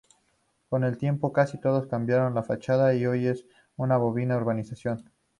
Con el tiempo casi todas cambiaron la fachada y hoy es una bonita urbanización.